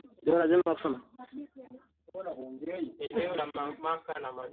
Shughuli za kuaga mwili wa Marehemu Ole Nasha zimefanyika katika viwanja vya Bunge